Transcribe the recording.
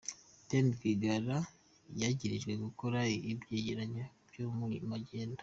Diane Rwigara yagirijwe gukora ivyegeranyo vya magendo.